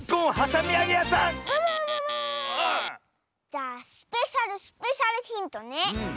じゃあスペシャルスペシャルヒントね。